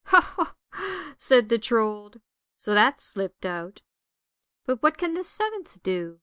" Ho, ho! " said the Trold, " so that slipped out. But what can the seventh do?